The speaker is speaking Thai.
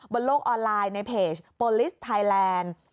บนโลกออนไลน์ในเพจโปรลิสไทยแลนด์